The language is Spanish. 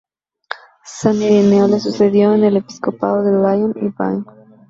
San Ireneo le sucedió en el episcopado de Lyon y Vienne.